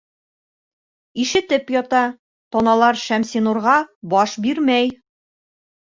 Ишетеп ята - таналар Шәмсинурға баш бирмәй.